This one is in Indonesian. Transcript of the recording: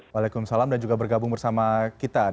waalaikumsalam dan juga bergabung bersama kita